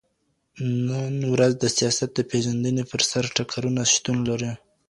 نن ورځ د سياست د پېژندني پر سر ټکرونه شتون لري.